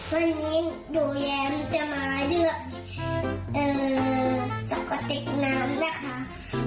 วันนี้อยู่แยมจะมาเลือกสกติกน้ำนะคะ